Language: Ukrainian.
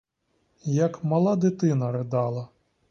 Як мала дитина ридала.